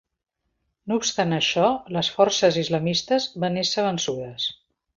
No obstant això, les forces islamistes van ésser vençudes.